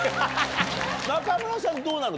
中村さんどうなの？